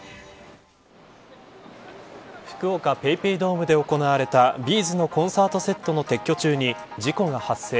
福岡ＰａｙＰａｙドームで行われたＢ’ｚのコンサートセットの撤去中に事故が発生。